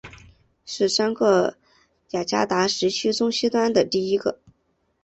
是三个雅加达时区中西端第一个。